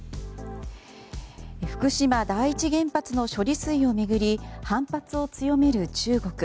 福島第一原発の処理水を巡り反発を強める中国。